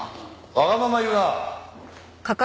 わがまま言うな。